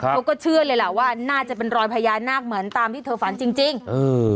เขาก็เชื่อเลยล่ะว่าน่าจะเป็นรอยพญานาคเหมือนตามที่เธอฝันจริงจริงเออ